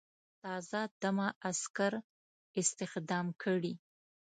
تازه دمه عسکر استخدام کړي.